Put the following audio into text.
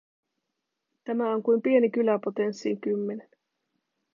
Tämä on kuin pieni kylä potenssiin kymmenen.